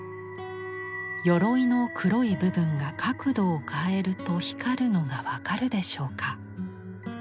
鎧の黒い部分が角度を変えると光るのが分かるでしょうか。